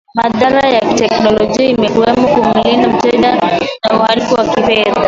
madhara ya kiteknolojia ikiwemo kumlinda mteja na uhalifu wa kifedha